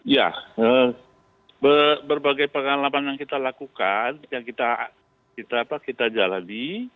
ya berbagai pengalaman yang kita lakukan yang kita jalani